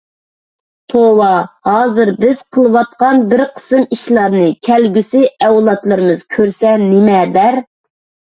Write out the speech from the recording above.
توۋا، ھازىر بىز قىلىۋاتقان بىر قىسىم ئىشلارنى كەلگۈسى ئەۋلادلىرىمىز كۆرسە نېمە دەر؟